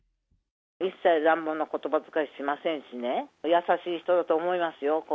一切乱暴なことばづかいしませんしね、優しい人だと思いますよ。